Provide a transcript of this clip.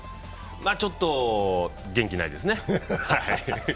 ちょっと元気ないですね。